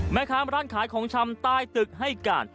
แม่ค้าร้านขายของชำใต้ตึกให้การ